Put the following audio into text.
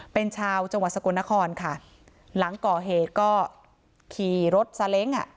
เป็นชาวจังหวัดสกลนครค่ะหลังก่อเหตุก็ขี่รถซาเล้งอ่ะ